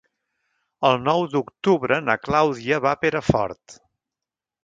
El nou d'octubre na Clàudia va a Perafort.